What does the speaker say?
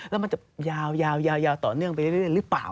แล้วมันจะยาวต่อเนื่องไปเรื่อยหรือเปล่า